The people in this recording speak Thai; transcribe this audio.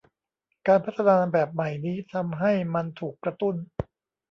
การพัฒนาแบบใหม่นี้ทำให้มันถูกกระตุ้น